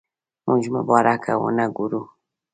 موږ مبارکه ونه وګورو.